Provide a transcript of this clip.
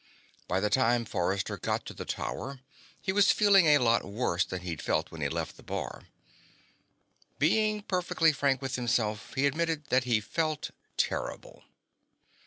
By the time Forrester got to the Tower, he was feeling a lot worse than he'd felt when he left the bar. Being perfectly frank with himself, he admitted that he felt terrible.